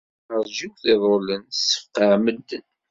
Timerjiwt iḍulen tessefqaε medden.